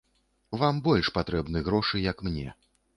Вам больш патрэбны грошы, як мне.